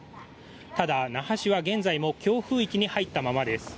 ただ、那覇市は現在も強風域に入ったままです。